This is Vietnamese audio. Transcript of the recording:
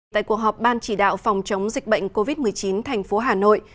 tại cuộc họp ban chỉ đạo phòng chống dịch bệnh covid một mươi chín thành phố hà nội